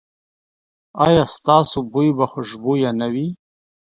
ایا ستاسو بوی به خوشبويه نه وي؟